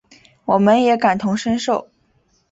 我们也感同身受